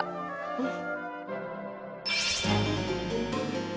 うん。